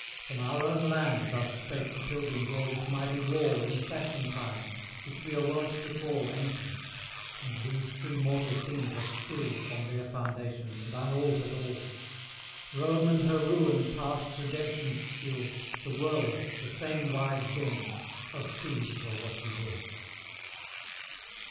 From our own land Thus spake the pilgrims o'er this mighty wall In Saxon times, which we are wont to call Ancient; and these three mortal things are still On their foundations, and unaltered all; Rome and her Ruin past Redemption's skill, The World, the same wide den of thieves, or what ye will.